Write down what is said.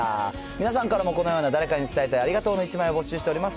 皆さんからのこのような誰かに伝えたいありがとうの１枚を募集しております。